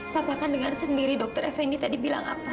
papa kan dengar sendiri dokter effendi tadi bilang apa